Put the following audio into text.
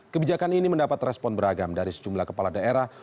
kebijakan ini mendapat respon beragam dari sejumlah kepala daerah